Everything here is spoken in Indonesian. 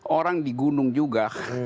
orang di gunung juga